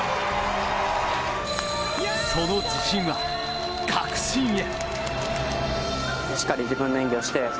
その自信は、確信へ。